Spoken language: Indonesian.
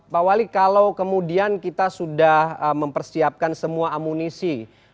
pak wali kalau kemudian kita sudah mempersiapkan semua amunisi